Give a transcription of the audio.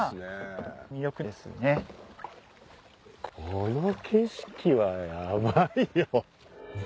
この景色はヤバいよ。